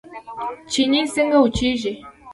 چينې څنګه وچیږي؟